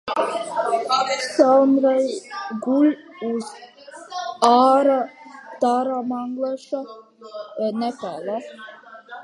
Sunsari lies in the Outer Terai-Madhesh plain of Nepal.